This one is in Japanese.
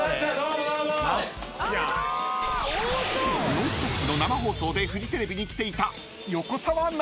［『ノンストップ！』の生放送でフジテレビに来ていた］